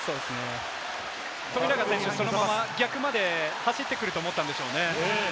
富永選手、そのまま逆まで走ってくると思ったんでしょうね。